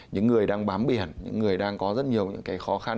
những người đang bám biển những người đang có rất nhiều những cái khó khăn